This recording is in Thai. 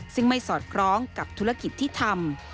ซึ่งไม่สอดคล้องกับธุรกิจที่ทำ